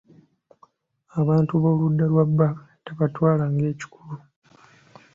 Abantu bo ludda lwa bba tabatwala ng'ekikulu.